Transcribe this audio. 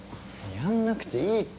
やんなくていいって。